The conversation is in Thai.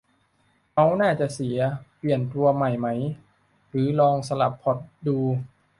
เมาส์น่าจะเสีย เปลี่ยนตัวใหม่ไหม หรือลองสลับพอร์ตดู